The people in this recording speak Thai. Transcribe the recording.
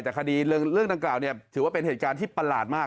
แต่คดีเรื่องดังกล่าวถือว่าเป็นเหตุการณ์ที่ประหลาดมาก